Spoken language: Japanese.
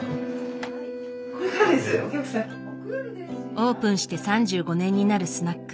オープンして３５年になるスナック。